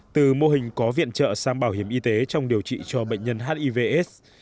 từ mô hình có viện trợ sang bảo hiểm y tế trong điều trị cho bệnh nhân hiv aids